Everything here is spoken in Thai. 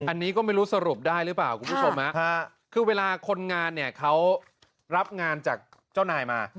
อันนี้ก็ไม่รู้สรุปได้หรือเปล่าคุณผู้ชมคือเวลาคนงานเนี่ยเขารับงานจากเจ้านายมา